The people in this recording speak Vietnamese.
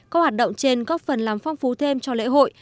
các hoạt động trên góp phần làm phong phú thêm cho lễ hội